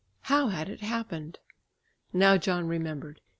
How had it happened? Now John remembered.